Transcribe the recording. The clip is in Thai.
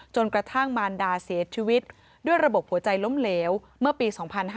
กระทั่งมารดาเสียชีวิตด้วยระบบหัวใจล้มเหลวเมื่อปี๒๕๕๙